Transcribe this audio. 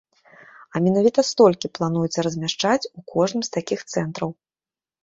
А менавіта столькі плануецца размяшчаць у кожным з такіх цэнтраў.